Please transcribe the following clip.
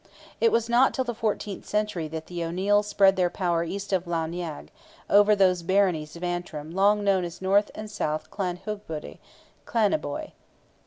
It was not till the fourteenth century that the O'Neils spread their power east of Lough Neagh, over those baronies of Antrim long known as north and south Clan Hugh Buidhe, (Clandeboy.)